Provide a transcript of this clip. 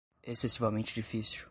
excessivamente difícil